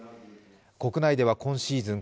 国内では今シーズン